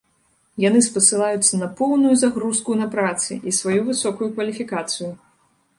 Яны спасылаюцца на поўную загрузку на працы і сваю высокую кваліфікацыю.